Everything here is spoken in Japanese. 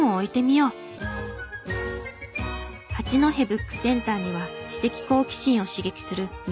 八戸ブックセンターには知的好奇心を刺激する見